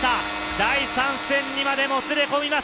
第３戦にまでもつれ込みます。